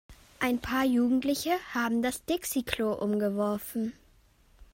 Ein paar Jugendliche haben das Dixi-Klo umgeworfen.